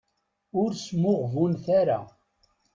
Ur smuɣbunet ara.